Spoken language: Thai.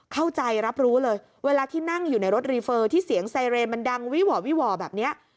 เข้าใจรับรู้เลยเวลาที่นั่งอยู่ในรถรีเฟอร์ที่เสียงไซเรนมันดังวิหว่อวิหว่อแบบนี้